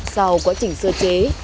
sau quá trình sơ chế